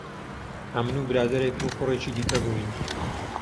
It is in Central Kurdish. ئەمن و برادەرێکم و کوڕێکی دیکە بووین